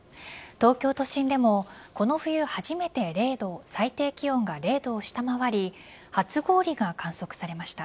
東京都心でも、この冬初めて最低気温が０度を下回り初氷が観測されました。